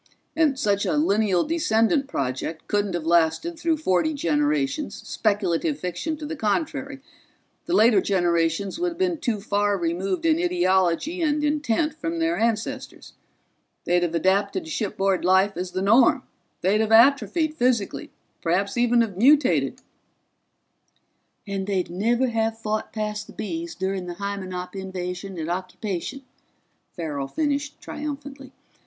And such a lineal descendant project couldn't have lasted through forty generations, speculative fiction to the contrary the later generations would have been too far removed in ideology and intent from their ancestors. They'd have adapted to shipboard life as the norm. They'd have atrophied physically, perhaps even have mutated " "And they'd never have fought past the Bees during the Hymenop invasion and occupation," Farrell finished triumphantly.